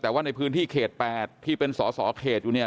แต่ว่าในพื้นที่เขต๘ที่เป็นสอสอเขตอยู่เนี่ย